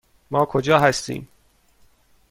ما کجا هستیم؟